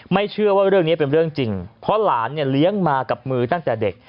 เชื่อว่าเรื่องนี้เป็นเรื่องจริงเพราะหลานเนี่ยเลี้ยงมากับมือตั้งแต่เด็ก